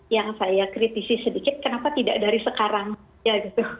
yang saya kritisi sedikit kenapa tidak dari sekarang saja gitu